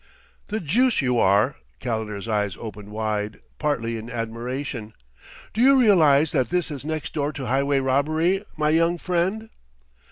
"The juice you are!" Calendar's eyes opened wide, partly in admiration. "D'you realize that this is next door to highway robbery, my young friend?"